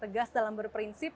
tegas dalam berprinsip